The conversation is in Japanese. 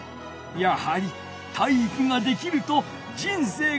やはり体育ができると人生がより楽しくなる！